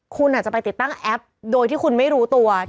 คุณอาจจะไปติดตั้งแอปโดยที่คุณไม่รู้ตัว